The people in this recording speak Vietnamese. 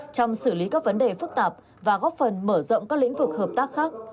trong xử lý các vấn đề phức tạp và góp phần mở rộng các lĩnh vực hợp tác khác